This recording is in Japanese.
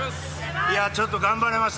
いやー、ちょっと頑張りました。